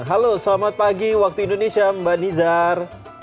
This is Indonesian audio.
halo selamat pagi waktu indonesia mbak nizar